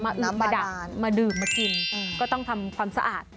อึมมาดักมาดื่มมากินก็ต้องทำความสะอาด